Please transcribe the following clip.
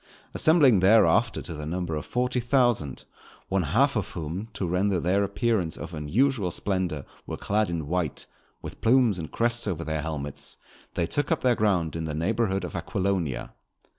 Assembling thereafter to the number of forty thousand, one half of whom, to render their appearance of unusual splendour were clad in white, with plumes and crests over their helmets, they took up their ground in the neighbourhood of Aquilonia.